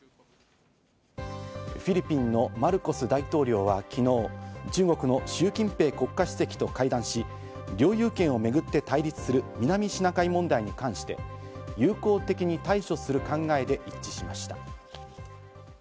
フィリピンのマルコス大統領は昨昨日、中国のシュウ・キンペイ国家主席と会談し、領有権をめぐって対立する南シナ海問題に関して、友好的に対処する考えで一致しました。